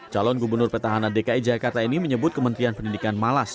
calon gubernur petahana dki jakarta ini menyebut kementerian pendidikan malas